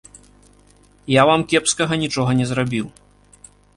Я вам кепскага нічога не зрабіў.